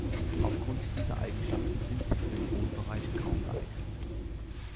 Aufgrund dieser Eigenschaften sind sie für den Wohnbereich kaum geeignet.